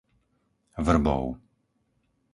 Vrbov